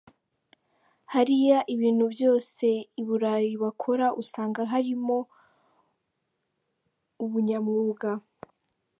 Hariya ibintu byose i Burayi bakora usanga harimo ubunyamwuga.